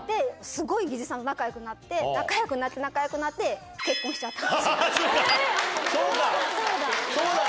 すごい技術さんと仲よくなって、仲よくなって、仲よくなって、結婚しちゃったんですよ。